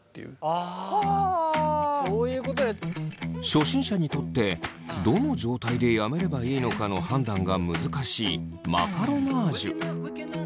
初心者にとってどの状態でやめればいいのかの判断が難しいマカロナージュ。